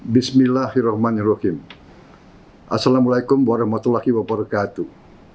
bismillahirrahmanirrahim assalamu alaikum warahmatullahi wabarakatuh